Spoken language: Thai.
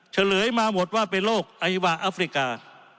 เฉลยมาหมดว่าเป็นโรคไอวาอัฟริกา